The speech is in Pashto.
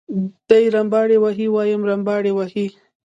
دی رمباړې وهي وایم رمباړې وهي.